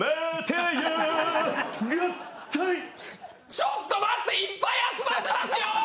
「ちょっと待って」いっぱい集まってますよ！